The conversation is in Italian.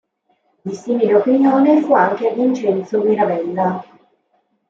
Di simile opinione fu anche Vincenzo Mirabella.